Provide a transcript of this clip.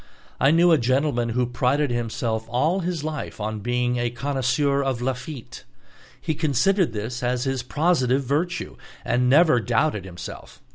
I knew a gentleman who prided himself all his life on being a connoisseur of Lafitte. He considered this as his positive virtue, and never doubted himself.